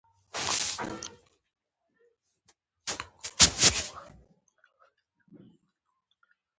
واوره رېږي.